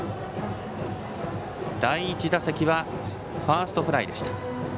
第１打席はファーストフライ。